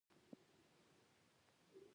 الماري د برقي وسایلو لپاره هم جوړیږي